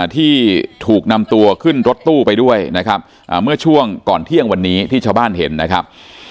ที่ถูกนำตัวขึ้นรถตู้ไปด้วยนะครับเมื่อช่วงก่อนเที่ยงวันนี้ที่ชาวบ้านเห็นนะครับ